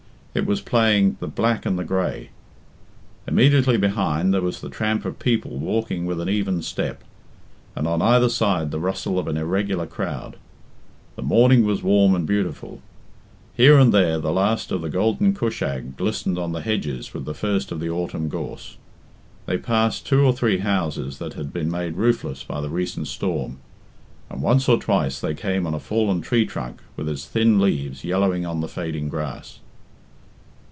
It was playing "the Black and the Grey." Immediately behind there was the tramp of people walking with an even step, and on either side the rustle of an irregular crowd. The morning was warm and beautiful. Here and there the last of the golden cushag glistened on the hedges with the first of the autumn gorse. They passed two or three houses that had been made roofless by the recent storm, and once or twice they came on a fallen tree trunk with its thin leaves yellowing on the fading grass.